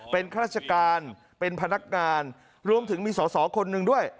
เป็นข้าราชการเป็นพนักงานรวมถึงมีสอสอคนหนึ่งด้วย